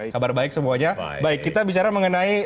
kabar baik semuanya baik kita bicara mengenai